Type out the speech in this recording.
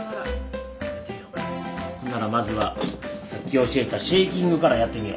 ほんならまずはさっき教えたシェーキングからやってみよ。